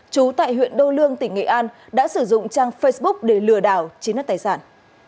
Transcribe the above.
chú tại huyện đô lương tỉnh nghệ an đã sử dụng trang facebook để lừa đảo chiếm đất tài sản